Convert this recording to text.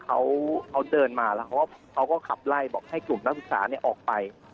เขาเดินมาแล้วเขาก็ขับไล่บอกให้กลุ่มนักศึกษาออกไป